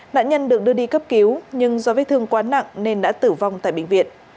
nạn nhân được đưa đi cấp cứu nhưng do vết thương quá nặng nên đã tử vong tại bệnh viện